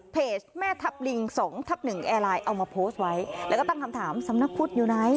แม่ทัพลิงสองทับหนึ่งแอร์ไลน์เอามาโพสต์ไว้แล้วก็ตั้งคำถามสำนักพุทธอยู่ไหน